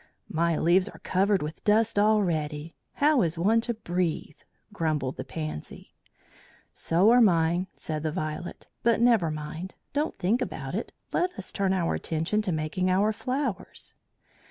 "My leaves are covered with dust already. How is one to breathe?" grumbled the Pansy. "So are mine," said the Violet; "but never mind. Don't think about it. Let us turn our attention to making our flowers."